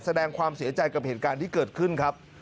แสดงความเสียใจกับเหตุการณ์ที่เกิดขึ้นครับ